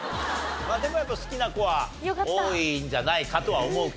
でもやっぱ好きな子は多いんじゃないかとは思うけどね。